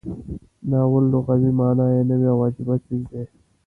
ناول لغوي معنا یې نوی او عجیبه څیز دی.